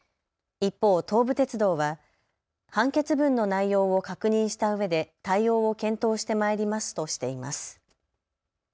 一方、東武鉄道は判決文の内容を確認したうえで対応を検討してまいりますとしています。